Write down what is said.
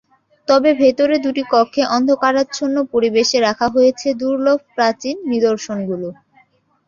তবে ভেতরে দুটি কক্ষে অন্ধকারাচ্ছন্ন পরিবেশে রাখা হয়েছে দুর্লভ প্রাচীন নিদর্শনগুলো।